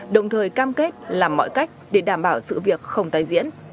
đồng thời cam kết làm mọi cách để đảm bảo sự việc không tái diễn